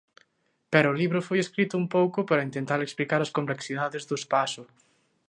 Pero o libro foi escrito un pouco para intentar explicar as complexidades do espazo.